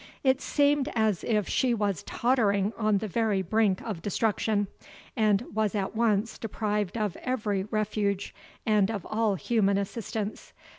It seemed as if she was tottering on the very brink of destruction, and was at once deprived of every refuge, and of all human assistance.